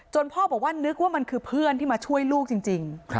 พ่อบอกว่านึกว่ามันคือเพื่อนที่มาช่วยลูกจริง